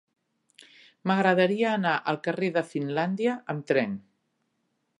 M'agradaria anar al carrer de Finlàndia amb tren.